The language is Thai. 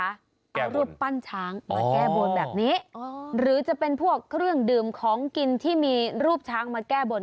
เอารูปปั้นช้างมาแก้บนแบบนี้หรือจะเป็นพวกเครื่องดื่มของกินที่มีรูปช้างมาแก้บน